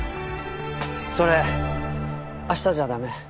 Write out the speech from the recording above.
それ明日じゃ駄目？